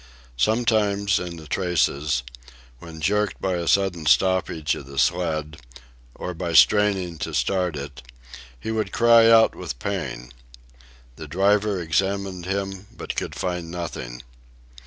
Sometimes, in the traces, when jerked by a sudden stoppage of the sled, or by straining to start it, he would cry out with pain. The driver examined him, but could find nothing.